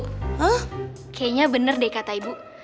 oh kayaknya bener deh kata ibu